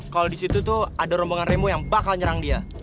kalau di situ tuh ada rombongan remo yang bakal nyerang dia